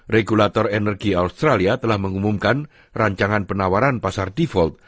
regulator energi australia telah mengumumkan rancangan penawaran pasar default